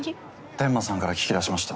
天間さんから聞き出しました。